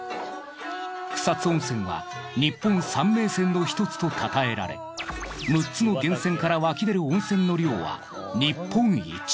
草津温泉は日本三名泉のひとつと称えられ６つの源泉から湧き出る温泉の量は日本一。